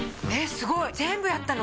すごい全部やったの？